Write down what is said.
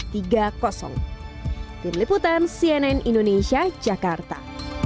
tim liputan cnn indonesia jakarta